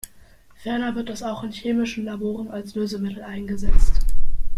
Ferner wird es auch in chemischen Laboren als Lösemittel eingesetzt.